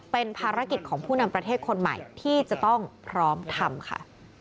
เป็นภารกิจของผู้นำประเทศคนใหม่ที่จะต้องพร้อมทำค่ะ